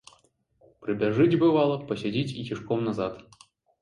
Прыбяжыць, бывала, пасядзіць і цішком назад.